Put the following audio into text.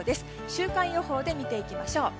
週間予報で見ていきましょう。